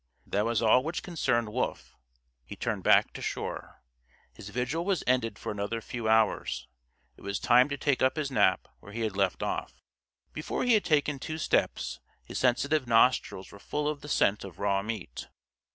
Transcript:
That was all which concerned Wolf. He turned back to shore. His vigil was ended for another few hours. It was time to take up his nap where he had left off. Before he had taken two steps, his sensitive nostrils were full of the scent of raw meat.